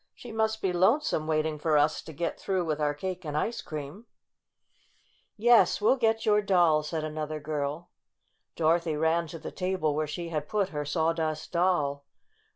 She must be lonesome waiting for us to get through with our cake and ice cream." 68 STORY OF A SAWDUST DOLL "Yes, we'll get your doll," said another girl. Dorothy ran to the table where she had put her Sawdust Doll.